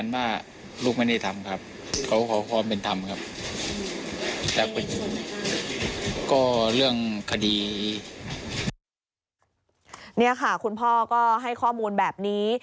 นี่ค่ะคุณพ่อก็ให้ข้อมูลแบบนี้